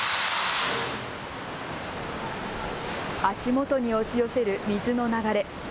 足元に押し寄せる水の流れ。